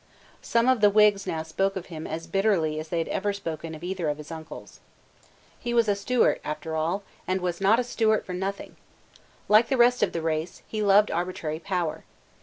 Some of the Whigs now spoke of him as bitterly as they had ever spoken of either of his uncles. He was a Stuart after all, and was not a Stuart for nothing. Like the rest of the race, he loved arbitrary power.